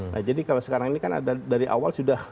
nah jadi kalau sekarang ini kan ada dari awal sudah